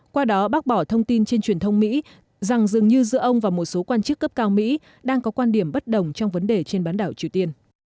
qua đó bác bỏ thông tin trên truyền thông mỹ rằng dường như giữa ông và một số quan chức cấp cao mỹ đang có quan điểm bất đồng trong vấn đề trên bán đảo triều tiên